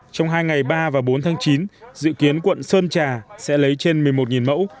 trong hai ngày ba và bốn tháng chín dự kiến quận sơn trà sẽ lấy trên một mươi một mẫu